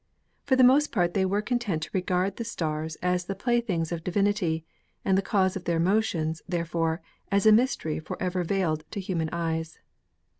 For the most part they were content to regard the stars as the playthings of divinity, and the cause of their motions, therefore, as a mystery forever veiled to human eyes.